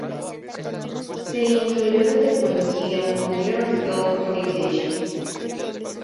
Se incluyó de tecnología Near Field Communication.